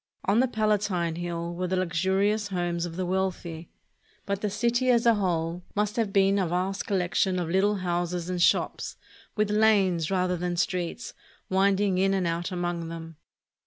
On the Palatine Hill were the luxurious homes of the wealthy; but the city as a whole must have been a vast collection of Httle houses and shops, with lanes, rather than streets, winding in and out among them.